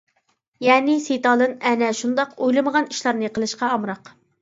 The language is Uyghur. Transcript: يەنى ستالىن ئەنە شۇنداق ئويلىمىغان ئىشلارنى قىلىشقا ئامراق.